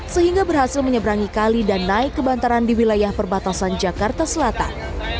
sehingga berhasil menyeberangi kali dan naik ke bantaran di wilayah perbatasan jakarta selatan